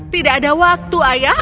tidak ada waktu ayah